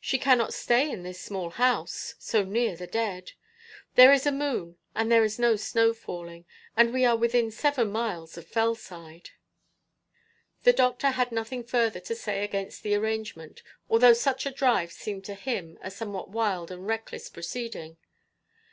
She cannot stay in this small house so near the dead. There is a moon, and there is no snow falling, and we are within seven miles of Fellside.' The doctor had nothing further to say against the arrangement, although such a drive seemed to him a somewhat wild and reckless proceeding. Mr.